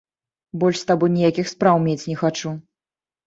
Больш з табой ніякіх спраў мець не хачу.